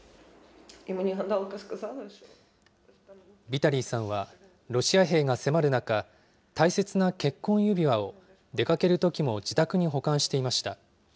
ビタリーさんは、ロシア兵が迫る中、大切な結婚指輪を出かけるときも自宅に保管していました。